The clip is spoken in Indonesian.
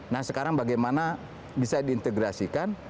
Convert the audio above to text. nah sekarang bagaimana bisa diintegrasikan